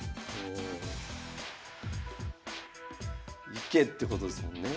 行けってことですもんね。